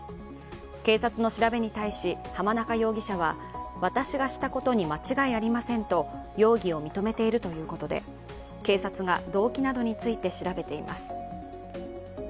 警察の調べに対し濱中容疑者は私がしたことに間違いありませんと容疑を認めているということで警察が動機などについて調べています。